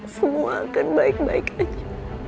semua akan baik baik aja